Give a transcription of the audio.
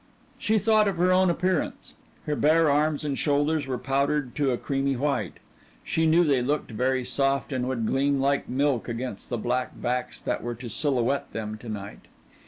She thought of her own appearance. Her bare arms and shoulders were powdered to a creamy white. She knew they looked very soft and would gleam like milk against the black backs that were to silhouette them to night.